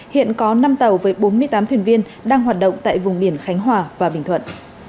hiện có năm tàu với bốn mươi tám thuyền viên đang hoạt động tại vùng biển khánh hòa và bình thuận